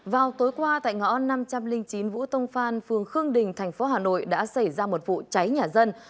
vào tối qua tại ngõ năm trăm linh chín vũ tông phan phường khương đình thành phố hà nội đã xảy ra một vụ cháy nhà dân